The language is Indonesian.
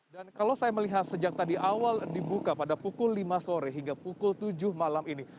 dan kalau saya melihat sejak tadi awal dibuka pada pukul lima sore hingga pukul tujuh malam ini